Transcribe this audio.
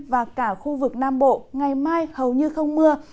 và cả khu vực nam bộ ngày mai hầu như không mưa